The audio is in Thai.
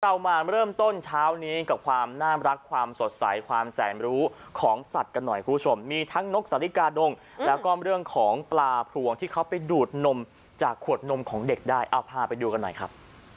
เรามาเริ่มต้นเช้านี้กับความน่ารักความสดใสความแสนรู้ของสัตว์กันหน่อยคุณผู้ชมมีทั้งนกสาลิกาดงแล้วก็เรื่องของปลาพรวงที่เขาไปดูดนมจากขวดนมของเด็กได้เอาพาไปดูกันหน่อยครับ